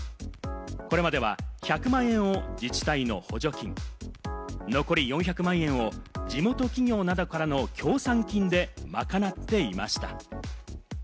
これまでは１００万円を自治体の補助金、残り４００万円を地元企業などからの協賛金で賄っていました。